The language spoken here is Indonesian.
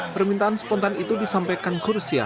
permintaan spontan itu disampaikan ke hursia setelah berhasil